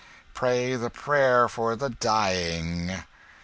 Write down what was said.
Pray the prayer for the dying!"